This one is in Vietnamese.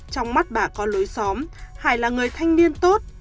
trong mắt bà con lối xóm hải là người thanh niên tốt